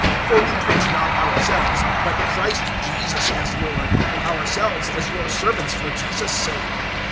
(5)For we preach not ourselves, but Christ Jesus as Lord; and ourselves as your servants for Jesus' sake.